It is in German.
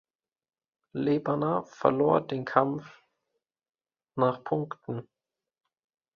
Le Banner verlor den Kampf nach Punkten.